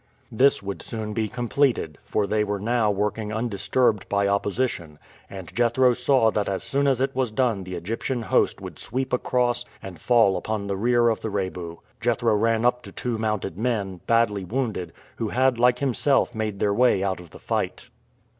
This would soon be completed, for they were now working undisturbed by opposition, and Jethro saw that as soon as it was done the Egyptian host would sweep across and fall upon the rear of the Rebu. Jethro ran up to two mounted men, badly wounded, who had like himself made their way out of the fight.